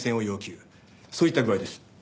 そういった具合です。